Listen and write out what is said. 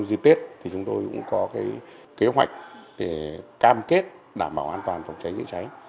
đây là khu vực có nhiều khu vực có nhiều kế hoạch để đảm bảo an toàn phòng cháy chữa cháy